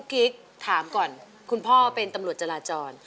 กิ๊กถามก่อนคุณพ่อเป็นตำรวจจราจร